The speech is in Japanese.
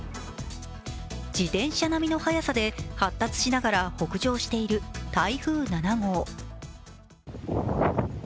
自転車並みの速さで発達しながら北上している台風７号。